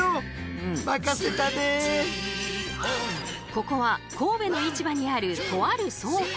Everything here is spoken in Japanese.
ここは神戸の市場にあるとある倉庫。